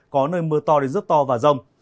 có nơi mưa to đến rất to và rông